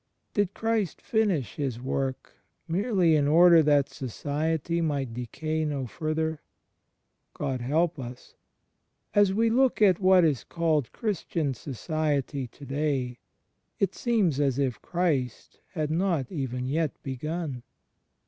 Did Christ finish His work, merely in order that CHRIST IN HIS HISTORICAL LIFE I49 society might decay no further? ... God help us! As we look at what is called Christian Society to day, it seems as if Christ had not even yet begun.